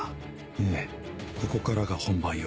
ええここからが本番よ。